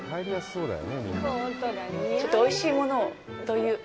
ちょっとおいしいものをという。